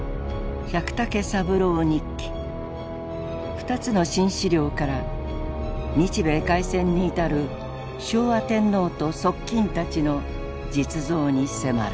２つの新資料から日米開戦に至る昭和天皇と側近たちの実像に迫る。